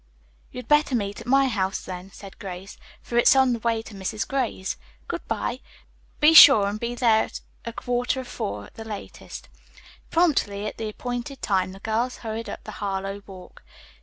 "You had better meet at my house, then," said Grace, "for it's on the way to Mrs. Gray's. Good bye. Be sure and be there at a quarter of four at the latest." Promptly at the appointed time the girls hurried up the Harlowe walk.